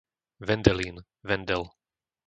Vendelín, Vendel